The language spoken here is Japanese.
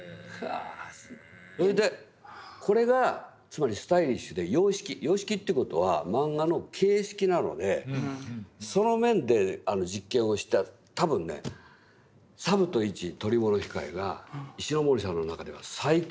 それでこれがつまりスタイリッシュで様式様式という事はマンガの形式なのでその面で実験をした多分ね「佐武と市捕物控」が石森さんの中では最高なレベルです。